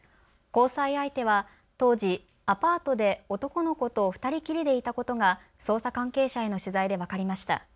交際相手は当時、アパートで男の子と２人きりでいたことが捜査関係者への取材で分かりました。